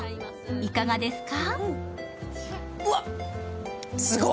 いかがですか？